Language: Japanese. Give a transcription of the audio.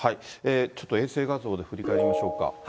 ちょっと衛星画像で振り返りましょうか。